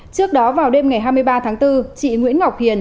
trước đó vào đêm ngày hai mươi ba tháng bốn chị nguyễn ngọc hiền